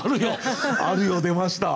「あるよ」出ました。